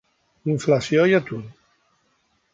Inflació i atur.